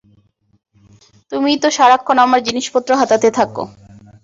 তুমিই তো সারাক্ষণ আমার জিনিসপত্র হাতাতে থাকো।